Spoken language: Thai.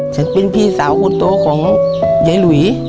ฉันเป็นพี่สาวคนโตของยายหลุย